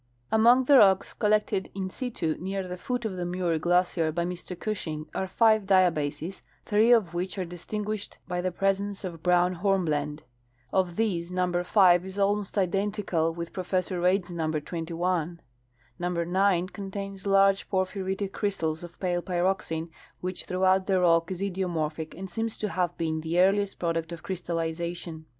Among the rocks collected in situ near the foot of the Muir glacier by Mr Gushing are five diabases, three of which are dis tinguished by the presence of brown hornblende. Of these number 5'' is almost identical with Professor Reid's number 21. Number 9^ contains large porphyritic crystals of pale pyroxene, which throughout the rock is idiomorphic and seems to have been the earliest product of crystallization.